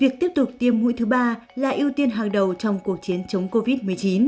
việc tiếp tục tiêm mũi thứ ba là ưu tiên hàng đầu trong cuộc chiến chống covid một mươi chín